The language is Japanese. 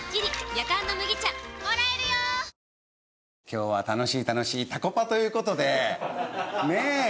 今日は楽しい楽しいたこパという事でねえ。